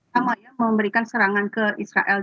sama ya memberikan serangan ke israel